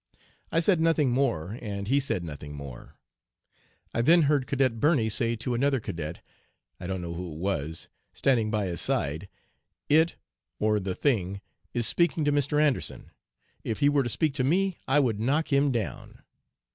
I said nothing more, and he said nothing more. I then heard Cadet Birney say to another cadet I don't know who it was standing by his side, "It (or the thing) is speaking to Mr. Anderson. If he were to speak to me I would knock him down."